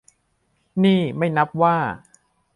นี่ไม่นับว่า